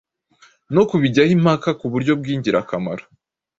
no kubijyaho impaka ku buryo bw' ingirakamaro.